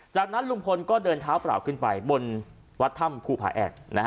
จากนั้นลุงพลก็เดินเท้าเปล่าขึ้นไปบนวัดถ้ำภูผาแอก